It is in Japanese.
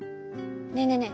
ねえねえね